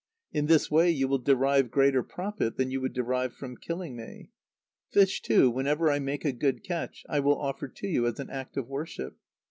In this way you will derive greater profit than you would derive from killing me. Fish, too, whenever I make a good catch, I will offer to you as an act of worship.